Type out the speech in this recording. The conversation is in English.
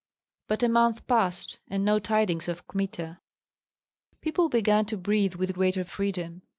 But a month passed, and no tidings of Kmita. People began to breathe with greater freedom.